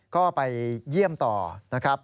ก็ไปเยี่ยมต่อนะครับ